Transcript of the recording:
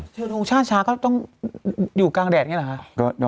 เชิงโทงชาติช้าก็ต้องอยู่กลางแดดนี่หรอคะ